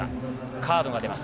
カードが出ます。